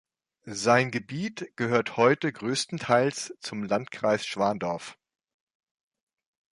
Sein Gebiet gehört heute größtenteils zum Landkreis Schwandorf.